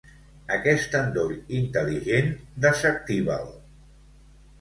Aquest endoll intel·ligent desactiva'l.